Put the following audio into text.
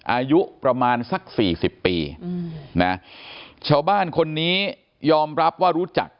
อายุประมาณสักสี่สิบปีนะชาวบ้านคนนี้ยอมรับว่ารู้จัก